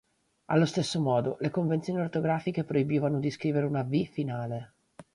Allo stesso modo, le convenzioni ortografiche proibivano di scrivere una V finale.